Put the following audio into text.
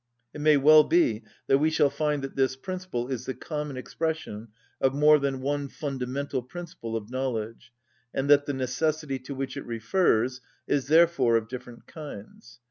It may well be that we shall find that this principle is the common expression of more than one fundamental principle of knowledge, and that the necessity, to which it refers, is therefore of different kinds.